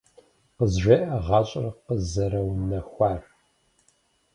КъызжеӀэ гъащӀэр къызэрыунэхуар!